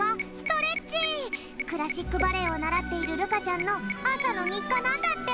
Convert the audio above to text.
クラシックバレエをならっているるかちゃんのあさのにっかなんだって！